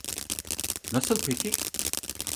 Nasıl peki?